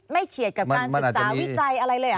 ไม่เฉียดกับสุดใร้วิจัยอะไรเลยหรอ